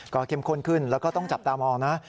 ก็เข้มข้นขึ้นแล้วก็ต้องจับตามองนะ